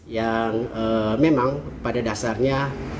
yang memang pada dasarnya